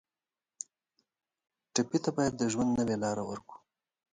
ټپي ته باید د ژوند نوې لاره ورکړو.